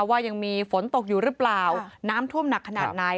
ว่ายังมีฝนตกอยู่หรือเปล่าน้ำท่วมหนักขนาดไหน